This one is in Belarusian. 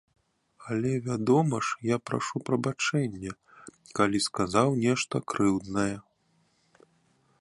Але вядома ж я прашу прабачэння, калі сказаў нешта крыўднае.